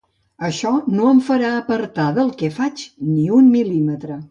Això no em farà apartar del que faig ni un mil·límetre.